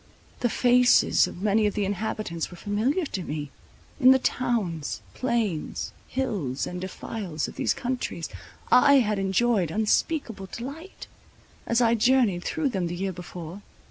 The faces of many of the inhabitants were familiar to me; in the towns, plains, hills, and defiles of these countries, I had enjoyed unspeakable delight, as I journied through them the year before.